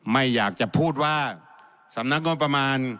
ไม่อยากจะพูดว่าสำนักงบประมาณ